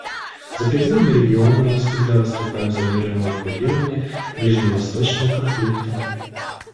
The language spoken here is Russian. За пределами региона мы всегда выступали за мирное урегулирование ближневосточного конфликта.